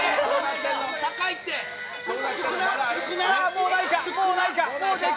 もうないか！